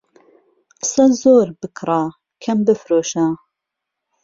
قسە زۆر بکڕە، کەم بفرۆشە.